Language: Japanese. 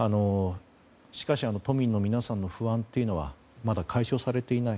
しかし、都民の皆さんの不安はまだ解消されていない。